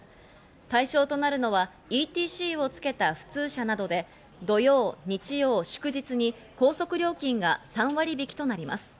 対象となるのはＥＴＣを付けた普通車などで、土曜、日曜、祝日に高速料金が３割引きとなります。